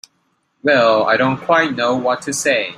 Well—I don't quite know what to say.